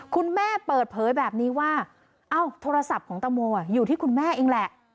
คุณแม่เปิดเผยแบบนี้ว่าเอ้าโทรศัพท์ของตังโมอยู่ที่คุณแม่เองแหละ